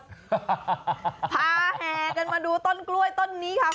พาแห่กันมาดูต้นกล้วยต้นนี้ค่ะ